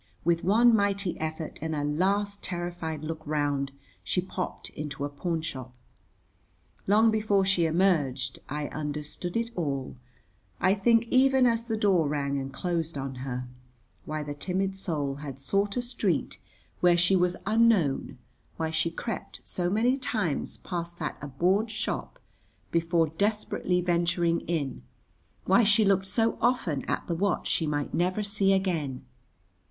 With one mighty effort and a last terrified look round, she popped into a pawnshop. Long before she emerged I understood it all, I think even as the door rang and closed on her; why the timid soul had sought a street where she was unknown, why she crept so many times past that abhorred shop before desperately venturing in, why she looked so often at the watch she might never see again.